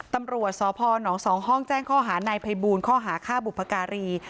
ตำรวจซพหนองสองห้องแจ้งข้อหานายไพบูลข้อหาค่าบุภการี